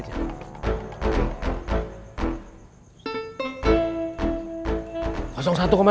tidak ada yang perlu kita diskusikan